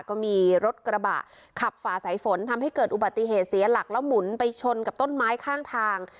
ก็มีรถกระบะขับฝ่าสายฝนทำให้เกิดอุบัติเหตุเสียหลักแล้วหมุนไปชนกับต้นไม้ข้างทาง